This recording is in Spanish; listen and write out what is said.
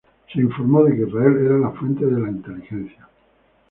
Se informó que Israel era la fuente de la inteligencia.